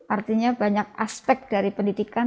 artinya banyak aspek dari pendidikan